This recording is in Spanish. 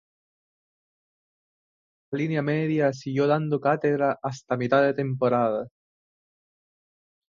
Al año siguiente la línea media siguió dando cátedra hasta mitad de temporada.